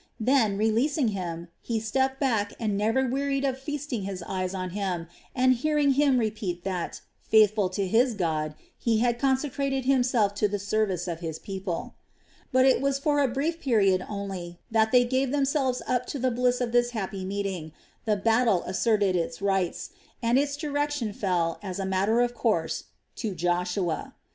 Then, releasing him, he stepped back and never wearied of feasting his eyes on him and hearing him repeat that, faithful to his God, he had consecrated himself to the service of his people. But it was for a brief period only that they gave themselves up to the bliss of this happy meeting; the battle asserted its rights, and its direction fell, as a matter of course, to Joshua.